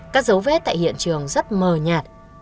các dấu vết tại hiện trường rất mờ nhạt